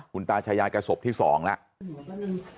คุณตาชายาแกศพที่สองแล้ว